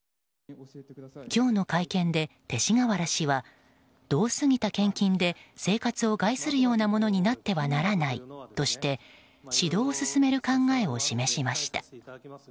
今日の会見で勅使河原氏は度を過ぎた献金で生活を害するようなものになってはならないとして指導を進める考えを示しました。